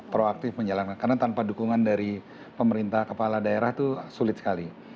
proaktif menjalankan karena tanpa dukungan dari pemerintah kepala daerah itu sulit sekali